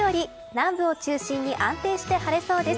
南部を中心に安定して晴れそうです。